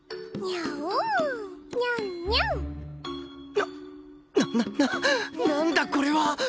なななななんだこれは！？